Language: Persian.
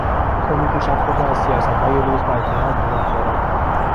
او میکوشد خود را از سیاستهای روز برکنار نگه دارد.